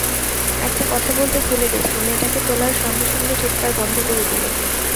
একটা কথা বলতে ভুলে গেছি, মেয়েটাকে তোলার সঙ্গে-সঙ্গে চিৎকার বন্ধ করে দিল।